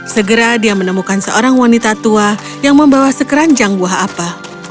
segera dia menemukan seorang wanita tua yang membawa sekeranjang buah apa